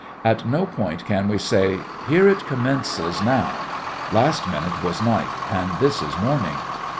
At no point can we say, "Here it commences, now; last minute was night and this is morning."